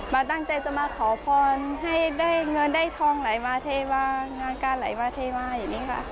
ตั้งใจจะมาขอพรให้ได้เงินได้ทองไหลมาเทวางานการไหลมาเทวาอย่างนี้ค่ะ